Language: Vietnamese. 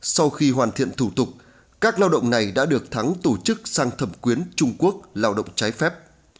sau khi hoàn thiện thủ tục các lao động này đã được thắng tổ chức sang thẩm quyến trung quốc lao động trái phép